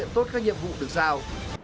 tốt các nhiệm vụ được sao